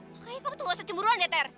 makanya kamu tuh gak usah cemburu ander ter